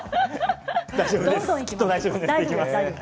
きっと大丈夫です。